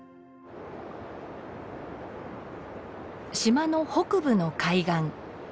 島の北部の海岸。